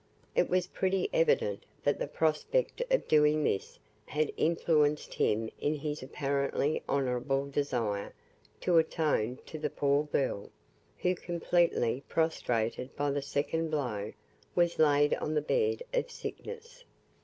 It was pretty evident that the prospect of doing this had influenced him in his apparently honourable desire to atone to the poor girl, who, completely prostrated by this second blow, was laid on the bed of sickness.